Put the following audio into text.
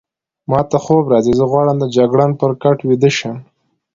ما ته خوب راځي، زه غواړم د جګړن پر کټ ویده شم.